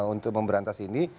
untuk memberantas ini